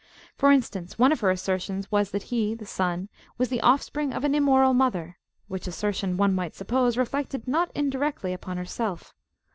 For instance, one of her assertions was that hethe sonwas the offspring of an immoral mother; which assertion, one might suppose, reflected not indirectly upon herself.